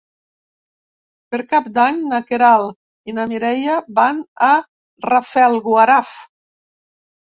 Per Cap d'Any na Queralt i na Mireia van a Rafelguaraf.